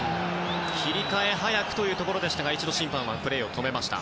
切り替え早くというところでしたが一度、審判はプレーを止めました。